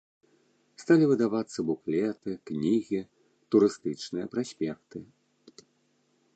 Сталі выдавацца буклеты, кнігі, турыстычныя праспекты.